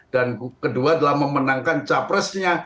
dan kedua adalah memenangkan capresnya